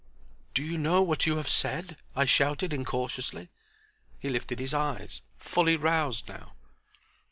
"Do you know what you have said?" I shouted, incautiously. He lifted his eyes, fully roused now.